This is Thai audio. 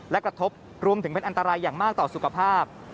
และกระทบรวมถึงเป็นอันตรายอย่างมากต่อสุขภาพ